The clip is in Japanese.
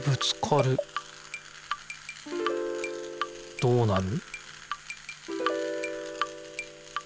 どうなる？